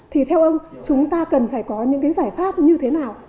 thì theo ông chúng ta cần phải có những cái giải pháp như thế nào